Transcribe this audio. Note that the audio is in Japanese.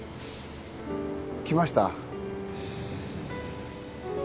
来ました。